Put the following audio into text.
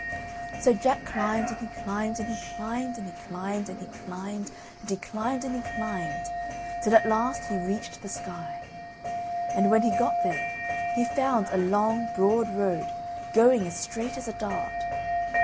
So Jack climbed and he climbed and he climbed and he climbed and he climbed and he climbed and he climbed till at last he reached the sky. And when he got there he found a long broad road going as straight as a dart.